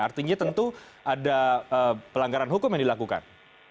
artinya tentu ada pelanggaran hukum yang dilakukan